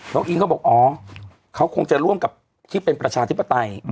อิงก็บอกอ๋อเขาคงจะร่วมกับที่เป็นประชาธิปไตย